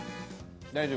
大丈夫？